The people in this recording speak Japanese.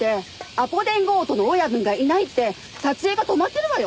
アポ電強盗の親分がいないって撮影が止まってるわよ！